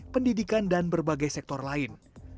pendidikan dan berbagai sektor lain